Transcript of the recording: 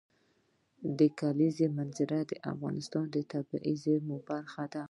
د کلیزو منظره د افغانستان د طبیعي زیرمو برخه ده.